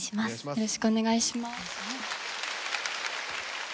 よろしくお願いします。